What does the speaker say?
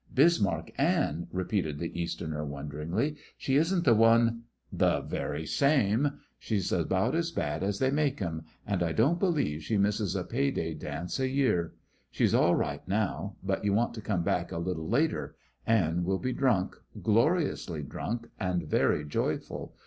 "Bismarck Anne!" repeated the Easterner, wonderingly. "She isn't the one " "The very same. She's about as bad as they make 'em, and I don't believe she misses a pay day dance a year. She's all right, now; but you want to come back a little later. Anne will be drunk gloriously drunk and very joyful.